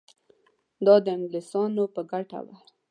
دا د انګلیسیانو په ګټه وه.